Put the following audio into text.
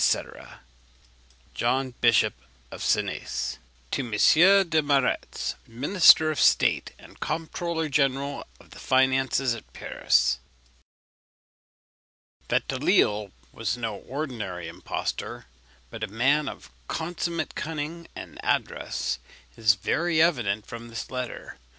"+ JOHN BISHOP OF SENES. "To M. Desmarets, Minister of State, and Comptroller General of the Finances, at Paris." That Delisle was no ordinary impostor, but a man of consummate cunning and address, is very evident from this letter.